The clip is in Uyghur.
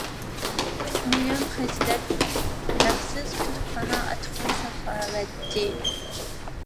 ئۈچ مىليون خەجلەپ ھەقسىز كۇتۇپخانا ئاچقان ساخاۋەتچى.